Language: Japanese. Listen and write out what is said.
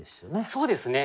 そうですね。